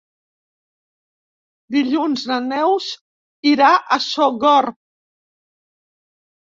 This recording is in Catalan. Dilluns na Neus irà a Sogorb.